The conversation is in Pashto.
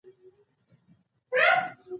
د کابل په واټونو کې ستره غمیزه شوه.